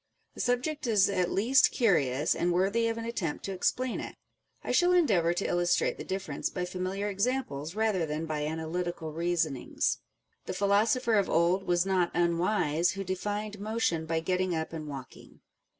The subject is at least curious, and worthy of an attempt to explain it. I shall endeavour to illustrate the difference by familiar examples rather than by analy tical reasonings. The philosopher of old was not unwise who defined motion by getting up and walking.